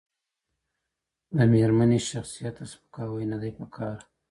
د ميرمني شخصيت ته سپکاوی نه دی پکار.